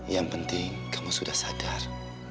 yang penting kamu sudah sadar